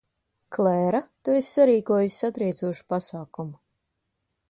Klēra, tu esi sarīkojusi satriecošu pasākumu.